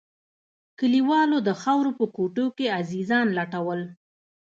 كليوالو د خاورو په کوټو کښې عزيزان لټول.